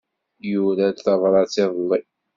Yura-d tabṛat iḍelli.